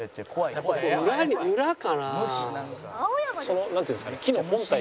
そのなんていうんですかね？